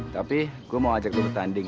tapi gue mau ajak lo ke tanding